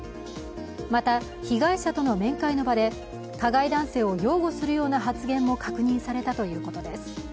また、被害者との面会の場で加害男性を擁護するような発言も確認されたということです。